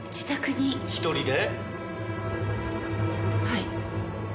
はい。